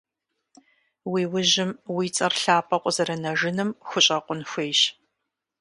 Уи ужьым уи цӀэр лъапӀэу къызэрынэжыным хущӀэкъун хуейщ.